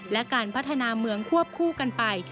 และการพัฒนาเมืองควบคู่กันไป